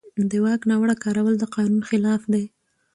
د واک ناوړه کارول د قانون خلاف دي.